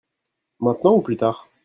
Maintenant ou plus tard ?